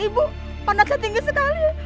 anak ibu panasnya tinggi sekali